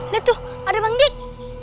lihat tuh ada bang dik